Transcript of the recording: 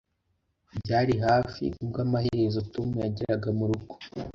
byari hafi ubwo amaherezo tom yageraga murugo